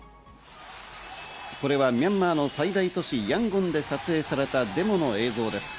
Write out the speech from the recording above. これはミャンマーの最大都市ヤンゴンで撮影されたデモの映像です。